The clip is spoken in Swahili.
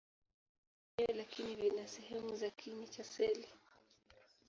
Si seli yenyewe, lakini vina sehemu za kiini cha seli.